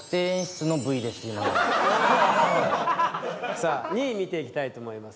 さあ２位見ていきたいと思います